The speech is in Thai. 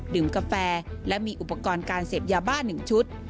กาแฟและมีอุปกรณ์การเสพยาบ้า๑ชุด